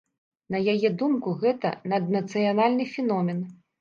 На яе думку, гэта наднацыянальны феномен.